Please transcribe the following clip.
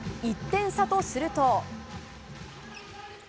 １点差とすると。